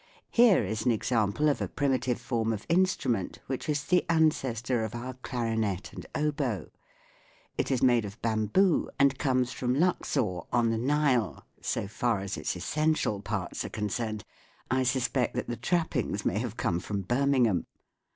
Here is an example of a primitive form of instrument which is the ancestor of our clarinet and oboe. It is made of bamboo and comes from Luxor on the Nile so far as its essential parts are concerned, I suspect that the trappings may have come from SOUNDS OF THE SEA 151 Birmingham.